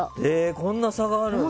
こんな差があるんだ。